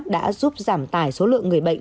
đã giúp giảm tải số lượng người bệnh